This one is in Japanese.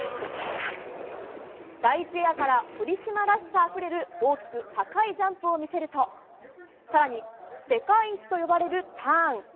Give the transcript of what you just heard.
第１エアから堀島らしさあふれる大きく高いジャンプを見せると更に、世界一と呼ばれるターン。